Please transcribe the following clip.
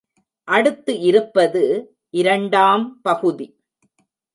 அடுத்து இருப்பது இரண்டாம் பகுதி.